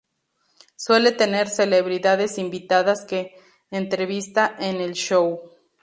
Suele tener celebridades invitadas que entrevista en el show.